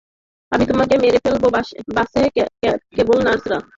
আমি তোমাকে মেরে ফেলবো বাসে কেবল নার্সরা।